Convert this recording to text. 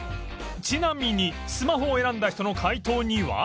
ちなみにスマホを選んだ人の回答には